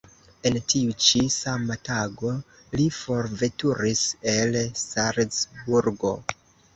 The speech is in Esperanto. En tiu ĉi sama tago li forveturis el Salzburgo.